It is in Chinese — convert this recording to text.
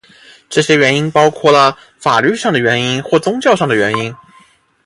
这些原因包括了法律上的原因或宗教上的原因。